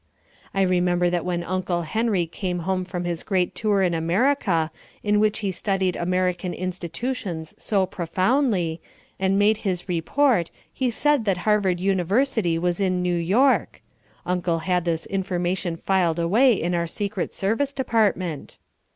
I remember that when Uncle Henry came home from his great tour in America, in which he studied American institutions so profoundly, and made his report he said that Harvard University was in New York. Uncle had this information filed away in our Secret Service Department.